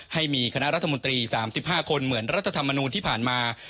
ให้มีคณะรัฐมนตรี๓๕คนเหมือนรัฐธรรมนูลที่ผ่านมา